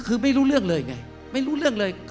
คือไม่รู้เรื่องเลยไงไม่รู้เรื่องเลย